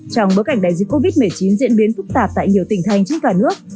trong bối cảnh đại dịch covid một mươi chín diễn biến phức tạp tại nhiều tỉnh thành trên cả nước